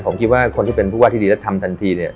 ผมคิดว่าคนที่เป็นผู้ว่าที่ดีแล้วทำทันทีเนี่ย